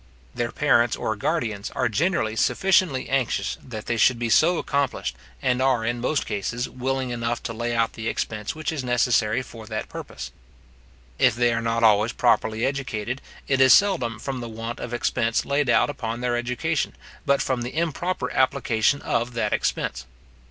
Their parents or guardians are generally sufficiently anxious that they should be so accomplished, and are in most cases, willing enough to lay out the expense which is necessary for that purpose. If they are not always properly educated, it is seldom from the want of expense laid out upon their education, but from the improper application of that expense.